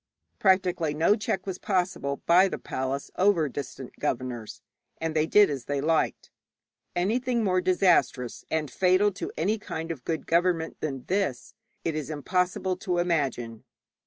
Practically no check was possible by the palace over distant governors, and they did as they liked. Anything more disastrous and fatal to any kind of good government than this it is impossible to imagine.